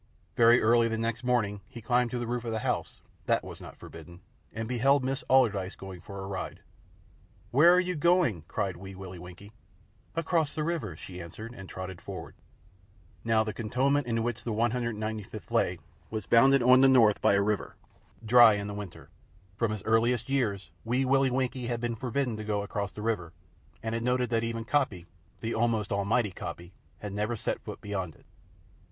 Very early the next morning he climbed on to the roof of the house that was not forbidden and beheld Miss Allardyce going for a ride. "Where are you going?" cried Wee Willie Winkie. "Across the river," she answered, and trotted forward. Now the cantonment in which the 195th lay was bounded on the north by a river dry in the winter. From his earliest years, Wee Willie Winkie had been forbidden to go across the river, and had noted that even Coppy the almost almighty Coppy had never set foot beyond it.